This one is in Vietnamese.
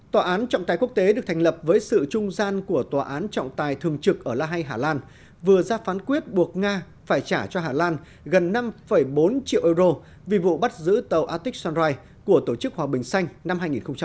tòa án trọng tài quốc tế được thành lập với sự trung gian của tòa án trọng tài thường trực ở la hay hà lan vừa ra phán quyết buộc nga phải trả cho hà lan gần năm bốn triệu euro vì vụ bắt giữ tàu atix sunri của tổ chức hòa bình xanh năm hai nghìn một mươi ba